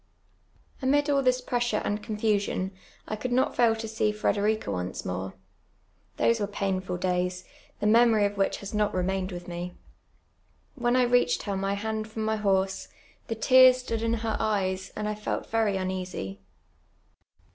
Amid all this pressure and confusion I could not fail to see Frederiea once more. Those were painful days, the memon* of which has not remained with mc. When I reached her my hand from my horse, the tears stood in her eyes, and I felt very uneasy.